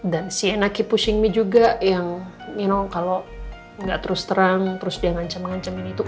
dan si ena keep pushing me juga yang you know kalau gak terus terang terus dia ngancem ngancemin itu